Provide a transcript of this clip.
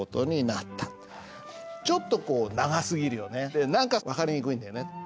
いやあの何か分かりにくいんだよね。